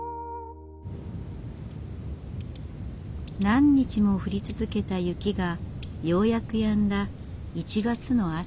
何日も降り続けた雪がようやくやんだ１月の朝。